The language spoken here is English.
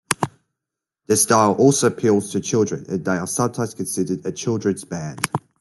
Their style also appeals to children, and they are sometimes considered a children's band.